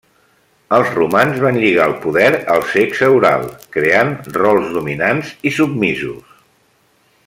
Els romans van lligar el poder al sexe oral, creant rols dominants i submisos.